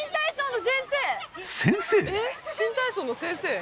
先生⁉新体操の先生？